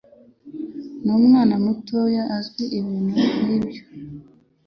N'umwana mutoya azi ibintu nk'ibyo.